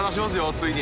ついに。